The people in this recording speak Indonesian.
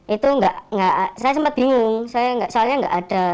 itu gak saya sempat bingung